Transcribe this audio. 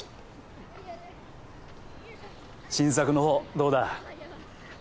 新作の方どうだ？